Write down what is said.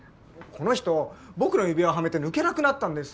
この人僕の指輪をはめて抜けなくなったんです。